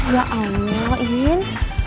ya allah in